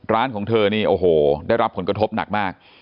ของเธอนี่โอ้โหได้รับผลกระทบหนักมาก